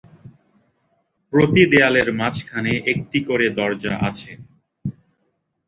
প্রতি দেওয়ালের মাঝখানে একটি করে দরজা আছে।